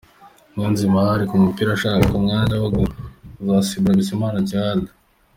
Niyonzima Ally ku mupira ashaka umwanya wo kuzasimbura Bizimana Djihad.